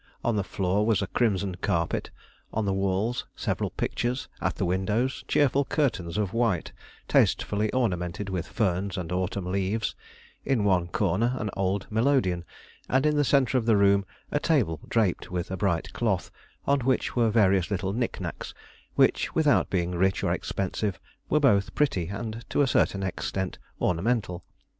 On the floor was a crimson carpet, on the walls several pictures, at the windows, cheerful curtains of white, tastefully ornamented with ferns and autumn leaves; in one corner an old melodeon, and in the centre of the room a table draped with a bright cloth, on which were various little knick knacks which, without being rich or expensive, were both pretty and, to a certain extent, ornamental.